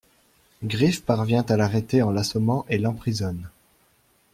Griff parvient à l’arrêter en l’assommant et l’emprisonne.